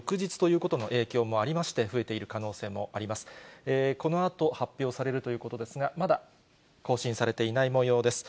このあと発表されるということですが、まだ更新されていないもようです。